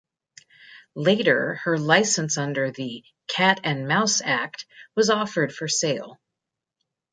Later, her licence under the "Cat and Mouse" Act was offered for sale.